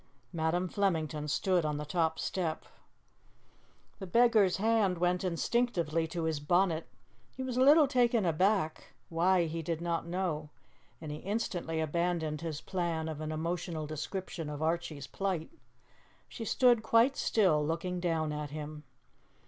Madam Flemington stood on the top step. The beggar's hand went instinctively to his bonnet. He was a little taken aback why, he did not know and he instantly abandoned his plan of an emotional description of Archie's plight. She stood quite still, looking down at him.